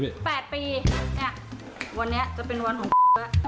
เนี่ยวันนี้จะเป็นวันของอะ